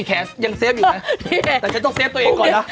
แต่ผมจะต้องเซฟตัวเองก่อนนะ